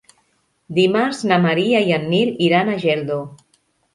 Dimarts na Maria i en Nil iran a Geldo.